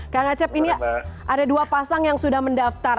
kang acep ini ada dua pasang yang sudah mendaftar